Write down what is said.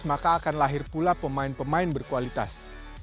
maka akan lahir pula pemain pemain berkualitas